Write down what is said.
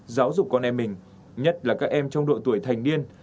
giáo dục con em mình nhất là các em trong độ tuổi thành niên